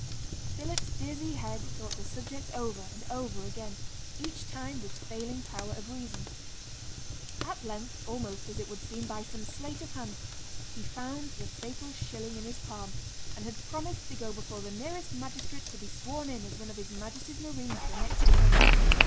Philip's dizzy head thought the subject over and over again, each time with failing power of reason. At length, almost, as it would seem, by some sleight of hand, he found the fatal shilling in his palm, and had promised to go before the nearest magistrate to be sworn in as one of his Majesty's marines the next morning.